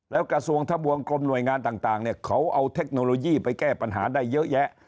แล้วกระทรวงทะบวงกรมหน่วยงานต่างเนี่ยเขาเอาเทคโนโลยีไปแก้ปัญหาได้เยอะแยะ